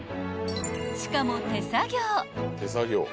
［しかも手作業］